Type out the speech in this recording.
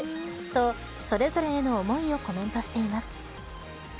と、それぞれへの思いをコメントしています。